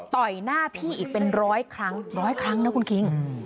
ต่อยหน้าพี่อีกเป็นร้อยครั้งร้อยครั้งนะคุณคิง